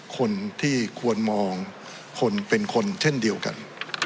คนที่ควรมองคนเป็นคนเช่นเดียวกัน